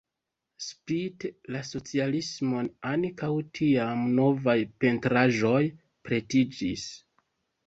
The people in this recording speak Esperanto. Spite la socialismon ankaŭ tiam novaj pentraĵoj pretiĝis.